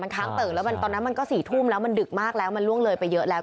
ค้างเติ่งแล้วตอนนั้นมันก็๔ทุ่มแล้วมันดึกมากแล้วมันล่วงเลยไปเยอะแล้ว